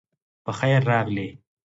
پخير راغلې